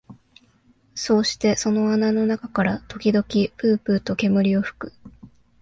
そうしてその穴の中から時々ぷうぷうと煙を吹く